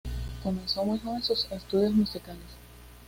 Comenzó muy joven sus estudios musicales.